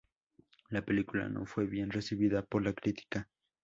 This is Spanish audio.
La película no fue bien recibida por la crítica.